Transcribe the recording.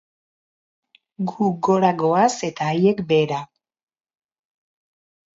Gu gora goaz eta haiek behera.